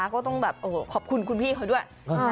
ก็ต้องแบบขอบคุณคุณพี่เขาด้วย